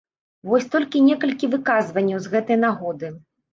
Вось толькі некалькі выказванняў з гэтай нагоды.